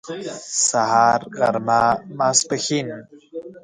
سهار غرمه ماسپښين